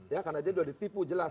ya karena dia sudah ditipu jelas